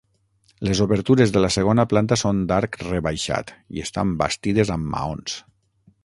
Les obertures de la segona planta són d'arc rebaixat i estan bastides amb maons.